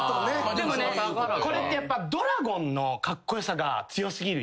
でもねこれってやっぱドラゴンのカッコ良さが強すぎる。